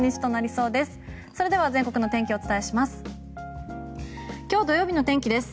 それでは全国の天気をお伝えします。